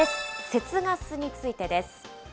節ガスについてです。